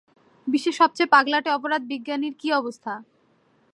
বিশ্বের সবচেয়ে পাগলাটে অপরাধ বিজ্ঞানীর কী অবস্থা?